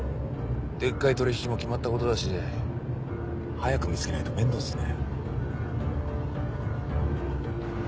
デッカい取引も決まったことだし早く見つけないと面倒っすね。